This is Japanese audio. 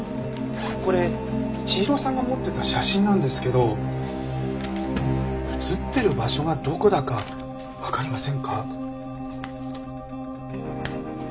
これ千尋さんが持ってた写真なんですけど写ってる場所がどこだかわかりませんか？